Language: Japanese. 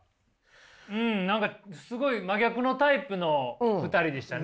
うん何かすごい真逆のタイプの２人でしたね。